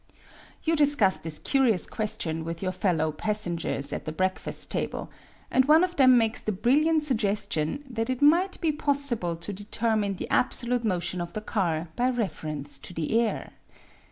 You discuss this curious question with your fellow passengers at the breakfast table and one of them makes the brilliant suggestion that it might be pos sible to determine the absolute motion of the car by reference to the air.